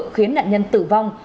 khiến nạn nhân tử vong